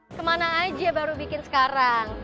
kemana aja baru bikin sekarang